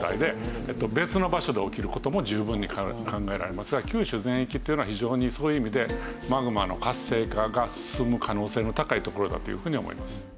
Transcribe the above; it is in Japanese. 別の場所で起きる事も十分に考えられますが九州全域っていうのは非常にそういう意味でマグマの活性化が進む可能性の高い所だというふうに思います。